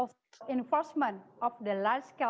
karena grup pendapatan yang rendah